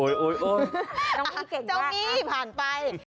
น้องมี่เก่งมากครับหรือเปล่าน้องมี่เก่งมาก